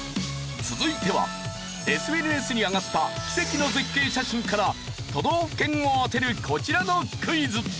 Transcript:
続いてはＳＮＳに上がった奇跡の絶景写真から都道府県を当てるこちらのクイズ。